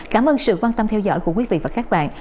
cảm ơn sự quan tâm theo dõi của quý vị và các bạn